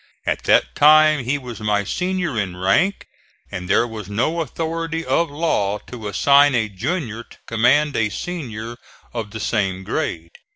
At that time he was my senior in rank and there was no authority of law to assign a junior to command a senior of the same grade.